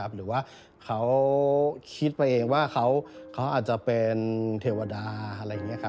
หรือว่าเขาคิดไปเองว่าเขาอาจจะเป็นเทวดา